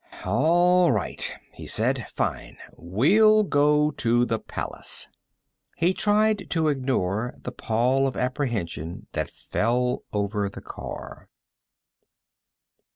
"All right," he said. "Fine. We'll go to the Palace." He tried to ignore the pall of apprehension that fell over the car.